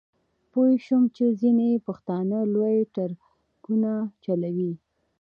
پوی شوم چې ځینې پښتانه لوی ټرکونه چلوي.